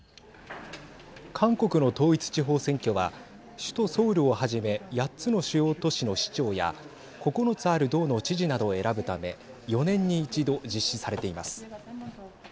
韓国の統一地方選挙は首都ソウルをはじめ８つの主要都市の市長や９つある道の知事などを選ぶため４年に一度、実施されています。